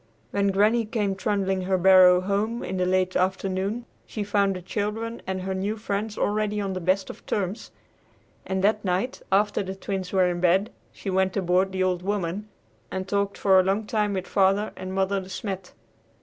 When Granny came trundling her barrow home in the late afternoon, she found the children and their new friends already on the best of terms; and that night, after the Twins were in bed, she went aboard the "Old Woman" and talked for a long time with Father and Mother De Smet.